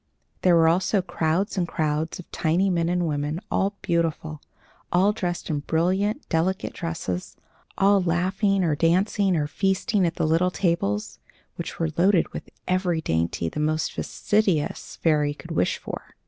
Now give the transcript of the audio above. There were also crowds and crowds of tiny men and women, all beautiful, all dressed in brilliant, delicate dresses, all laughing or dancing or feasting at the little tables, which were loaded with every dainty the most fastidious fairy could wish for.